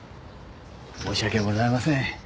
申し訳ございません。